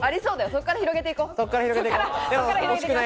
そっから広げていこう。